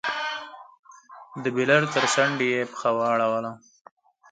د بېلر تر څنډې يې پښه واړوله.